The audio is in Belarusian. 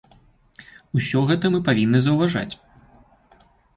Усё гэта мы павінны заўважаць.